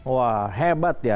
wah hebat ya